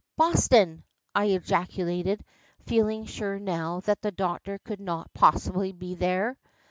"Boston!" I ejaculated, feeling sure now that the doctor could not possibly be there.